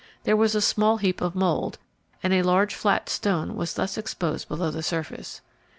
There was a small heap of mould, and a large flat stone was thus exposed below the surface.